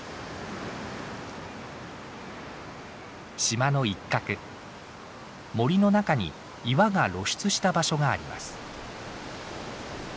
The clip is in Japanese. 島の一角森の中に岩が露出した場所があります。